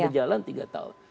udah jalan tiga tahun